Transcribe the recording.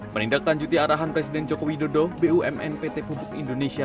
menindaklanjuti arahan presiden jokowi dodo bumn pt pupuk indonesia